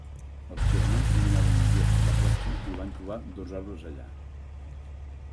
Els germans caminaven un dia per la platja i van trobar dos arbres allà.